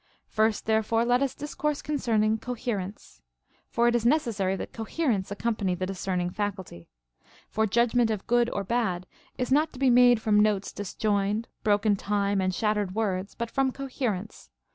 First therefore let us discourse concerning coherence. For it is necessary that coherence accompany the discerning faculty. For judgment of good or bad is not to be made from notes disjoined, broken time, and shattered words, but from coherence.